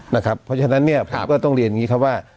นะครับเพราะฉะนั้นเนี่ยครับก็ต้องเรียนอย่างงี้ครับว่า